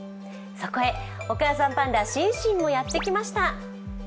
そこへお母さんパンダ・シンシンもやってきました。